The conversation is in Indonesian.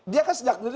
dia kan sejak